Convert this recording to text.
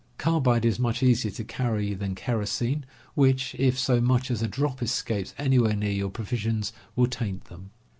Carbide is much easier to carry than kerosene, which, if so much as a drop escapes anywhere near your provisions, will taint them.